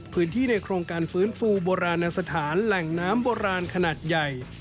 ในโครงการฟื้นฟูโบราณสถานแหล่งน้ำโบราณขนาดใหญ่